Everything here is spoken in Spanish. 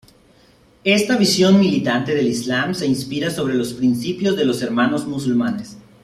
Esta visión militante del islam se inspira sobre los principios de los Hermanos Musulmanes.